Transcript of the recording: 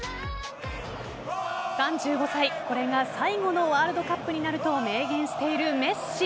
３５歳、これが最後のワールドカップになると明言しているメッシ。